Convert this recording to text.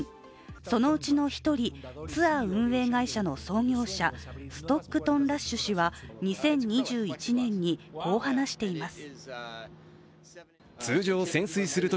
そのうちの１人、ツアー運営会社の創業者ストックトン・ラッシュ氏は２０２１年にこう話しています。